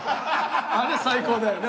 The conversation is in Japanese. あれ最高だよね